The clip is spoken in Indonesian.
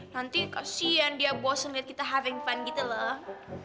nanti kasihan dia bosen liat kita having fun gitu loh